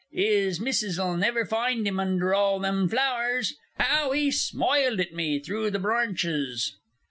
'Is Missis'll never find 'im under all them flowers. Ow, 'e smoiled at me through the brornches!